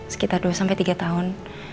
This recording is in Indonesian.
sekitar dua tiga tahun